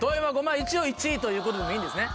一応１位ということでもいいんですね？